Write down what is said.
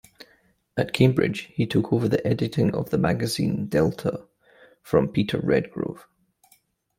At Cambridge he took over the editing of the magazine "delta" from Peter Redgrove.